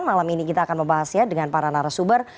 malam ini kita akan membahasnya dengan para narasumber